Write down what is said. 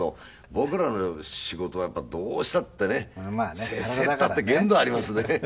僕らの仕事はやっぱりどうしたってね節制っていったって限度ありますね。